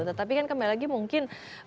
tetapi kan kembali lagi mungkin